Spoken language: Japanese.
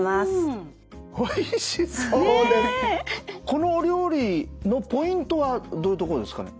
このお料理のポイントはどういうとこですかね？